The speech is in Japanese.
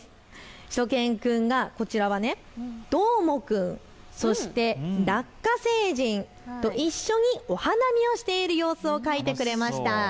しゅと犬くんが、こちらはどーもくんとラッカ星人と一緒にお花見をしている様子を描いてくれました。